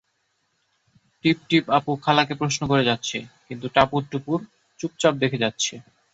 টিপটিপ আপু খালাকে প্রশ্ন করে যাচ্ছে, কিন্তু টাপুর চুপচাপ দেখে যাচ্ছে।